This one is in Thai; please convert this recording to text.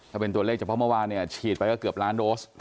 ถ้าเป็นตัวเลขเฉพาะเมื่อวานเนี่ยฉีดไปก็เกือบล้านโดส